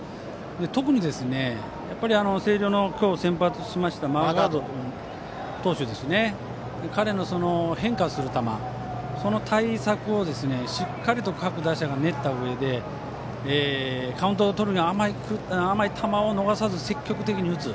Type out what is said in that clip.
特に星稜の今日先発したマーガード投手彼の変化する球、その対策をしっかりと各打者が練ったうえでカウントをとるための甘い球を積極的に打つ。